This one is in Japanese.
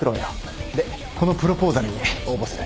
でこのプロポーザルに応募する。